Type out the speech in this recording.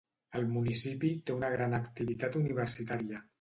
El municipi té una gran activitat universitària.